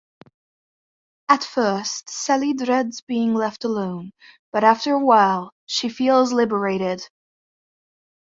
At first, Sally dreads being left alone, but after a while she feels liberated.